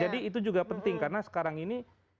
jadi itu juga penting karena sekarang ini